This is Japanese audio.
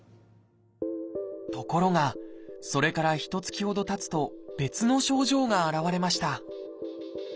ところがそれからひとつきほどたつと別の症状が現れました。